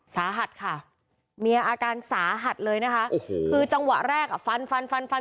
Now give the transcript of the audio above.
สาหัสค่ะเมียอาการสาหัสเลยนะคะคือจังหวะแรกฟันฟันฟันฟัน